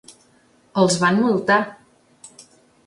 Els van multar.